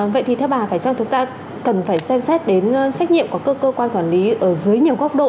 vậy thì theo bà phải cho chúng ta cần phải xem xét đến trách nhiệm của cơ quan quản lý ở dưới nhiều góc độ